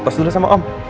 pas dulu sama om